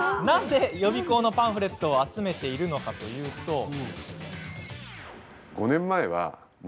なぜ予備校のパンフレットを集めているのかというと。